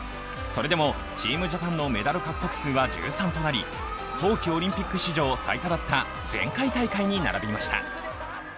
それでもチームジャパンのメダル獲得数は１３となり、冬季オリンピック史上最多だった前回大会に並びました。